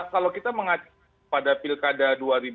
kalau kita mengacau pada pilkada dua ribu delapan belas